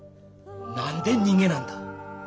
何で逃げなんだ？